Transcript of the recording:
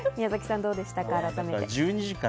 宮崎さん、どうでしたか？